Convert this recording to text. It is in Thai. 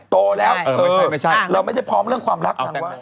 โตแล้วเราไม่ได้พร้อมเรื่องความรักนางว่า